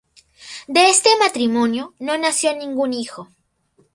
De este matrimonio no nació ningún hijo.